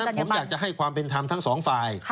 ผมอยากจะให้ความเป็นธรรมทั้งสองฝ่าย